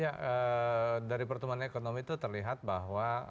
ya dari pertumbuhan ekonomi itu terlihat bahwa